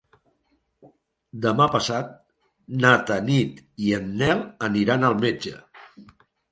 Demà passat na Tanit i en Nel aniran al metge.